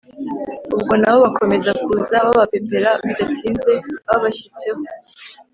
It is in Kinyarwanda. ubwo nabo bakomeza kuza babapepera bidatinze babashyitseho